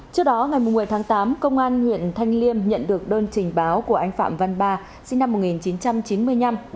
trước đó ngày một mươi tháng tám công an huyện thanh liêm nhận được đơn trình báo của anh phạm văn ba sinh năm một nghìn chín trăm chín mươi năm